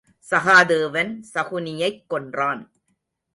சகாதேவன் சகுனியைக் கொன்றான்.